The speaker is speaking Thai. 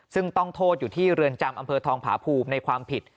ซึ่งต้องโทษอยู่ที่เรือนจำอำเภอทองผาภูมิในความผิด